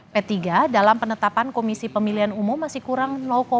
p tiga dalam penetapan komisi pemilihan umum masih kurang